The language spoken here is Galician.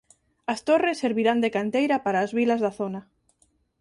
As torres servirán de canteira para as vilas da zona.